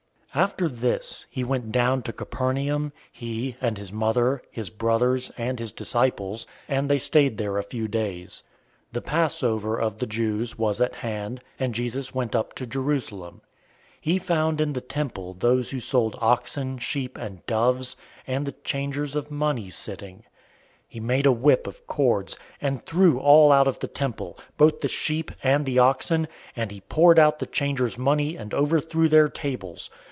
002:012 After this, he went down to Capernaum, he, and his mother, his brothers, and his disciples; and they stayed there a few days. 002:013 The Passover of the Jews was at hand, and Jesus went up to Jerusalem. 002:014 He found in the temple those who sold oxen, sheep, and doves, and the changers of money sitting. 002:015 He made a whip of cords, and threw all out of the temple, both the sheep and the oxen; and he poured out the changers' money, and overthrew their tables.